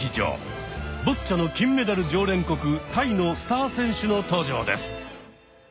ボッチャの金メダル常連国タイのスター選手の登場です。